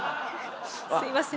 すみません。